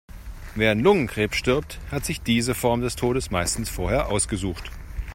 Wer an Lungenkrebs stirbt, hat sich diese Form des Todes meistens vorher ausgesucht.